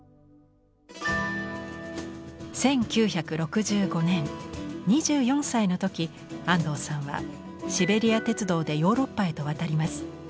１９６５年２４歳の時安藤さんはシベリア鉄道でヨーロッパへと渡ります。